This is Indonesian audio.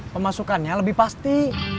pemasukannya lebih pasti